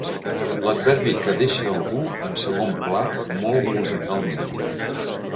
L'adverbi que deixa algú en segon pla molt musicalment.